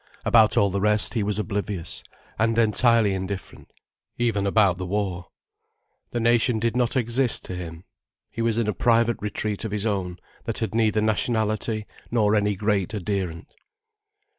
About all the rest, he was oblivious, and entirely indifferent—even about the war. The nation did not exist to him. He was in a private retreat of his own, that had neither nationality, nor any great adherent.